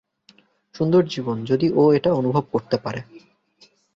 সুন্দর জীবন, যদি ও এটা অনুভব করতে পারে।